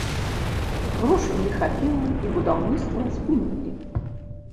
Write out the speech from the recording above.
Грошай не хапіла і будаўніцтва спынілі.